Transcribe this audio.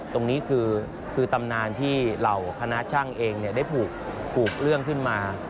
ตรงนี้คือตำนานที่เหล่าคณะช่างเองได้ผูกเรื่องขึ้นมา